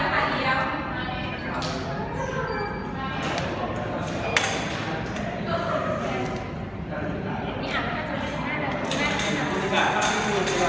พี่อัลแนะพี่อาทิตย์ยับใช่หม่ะ